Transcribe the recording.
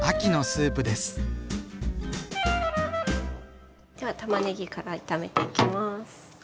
ではたまねぎから炒めていきます。